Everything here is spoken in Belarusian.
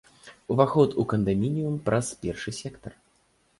Уваход у кандамініум праз першы сектар.